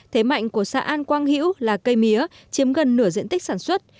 thế mạnh của xã an quang hữu là cây mía chiếm gần nửa diện tích sản xuất